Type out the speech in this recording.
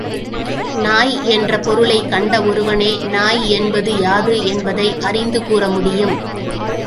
நாய் என்ற பொருளைக் கண்ட ஒருவனே, நாய் என்பது யாது என்பதை அறிந்து கூற முடியும்.